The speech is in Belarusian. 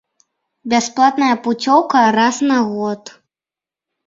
Бясплатная пуцёўка раз на год.